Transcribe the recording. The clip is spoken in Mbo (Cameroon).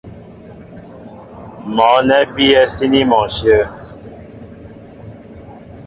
Mɔ̌ nɛ́ a bíyɛ́ síní mɔ ǹshyə̂.